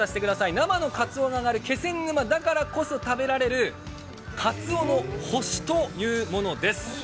生のかつおが揚がる気仙沼だからこそ食べられるかつおの星というものです。